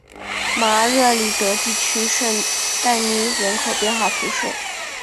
马尔热里德地区圣但尼人口变化图示